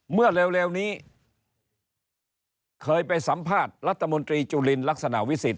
เมื่อเร็วนี้เคยไปสัมภาษณ์รัฐมนตรีจุลินลักษณะวิสิทธ